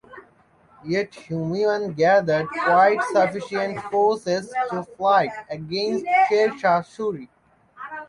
Yet Humayun gathered quite sufficient forces to fight against Sher Shah Suri.